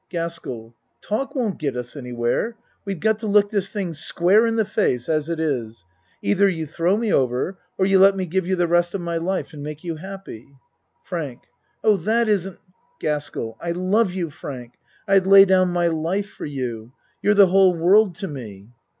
GASKELL Talk won't get us anywhere. We've got to look this thing square in the face, as it is. Either you throw me over, or you let me give you the rest of my life and make you happy. FRANK Oh, that isn't GASKELL I love you, Frank. I'd lay down my life for you. You're the whole world to me.